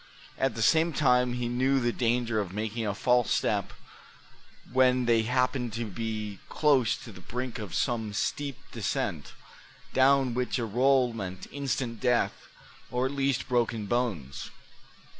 At the same time he knew the danger of making a false step when they happened to be close to the brink of some steep descent, down which a roll meant instant death, or at least broken bones.